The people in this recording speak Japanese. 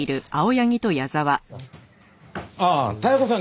ああ妙子さん